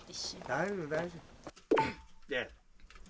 大丈夫大丈夫。